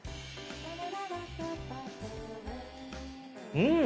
うん！